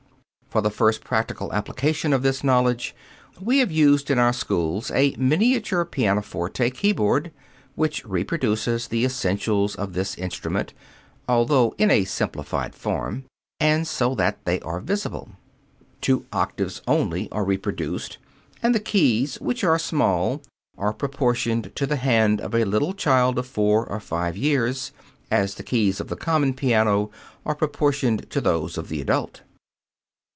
For a first practical application of this knowledge we have used in our schools a miniature pianoforte keyboard, which reproduces the essentials of this instrument, although in a simplified form, and so that they are visible. Two octaves only are reproduced, and the keys, which are small, are proportioned to the hand of a little child of four or five years, as the keys of the common piano are proportioned to those of the adult.